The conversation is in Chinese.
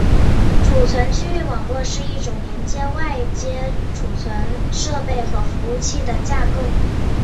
储存区域网络是一种连接外接存储设备和服务器的架构。